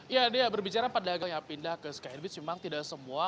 ya dia berbicara pedagang yang pindah ke skybridge memang tidak semua